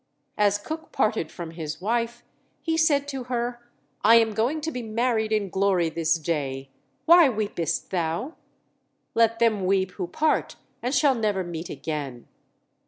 As Cook parted from his wife he said to her, "I am going to be married in glory this day. Why weepest thou? let them weep who part and shall never meet again."